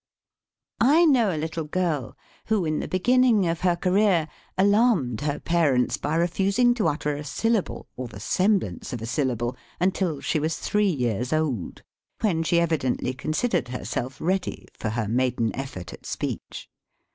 I know a little girl who, in the beginning of her career, alarmed her parents by refus ing to utter a syllable or the semblance of a syllable until she was three years old, when she evidently considered herself ready for her maiden effort at speech.